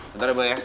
bentar ya boy ya